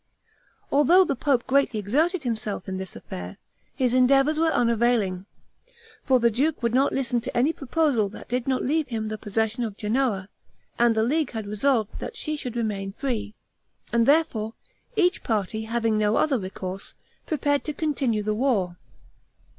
Although the pope greatly exerted himself in this affair, his endeavors were unavailing; for the duke would not listen to any proposal that did not leave him the possession of Genoa, and the league had resolved that she should remain free; and, therefore, each party, having no other resource, prepared to continue the war.